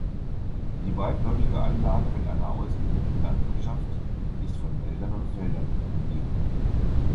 Die weitläufige Anlage mit einer ausgedehnten Landwirtschaft ist von Wäldern und Feldern umgeben.